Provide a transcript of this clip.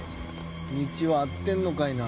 道は合ってんのかいな。